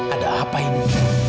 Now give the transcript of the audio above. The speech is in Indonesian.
ada apa ini